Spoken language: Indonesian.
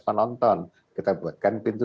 penonton kita buatkan pintu